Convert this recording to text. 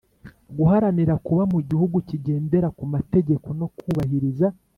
Guharanira kuba mu gihugu kigendera ku mategeko no kubahiriza